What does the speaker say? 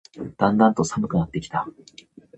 だんだんと寒くなってきた